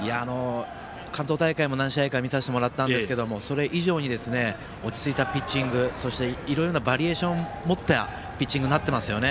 関東大会も何試合か見させてもらったんですけどそれ以上に落ち着いたピッチングそしていろんなバリエーションを持ったピッチングになっていますよね。